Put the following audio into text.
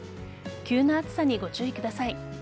急な暑さにご注意ください。